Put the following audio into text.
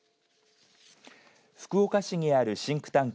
福岡市にあるシンクタンク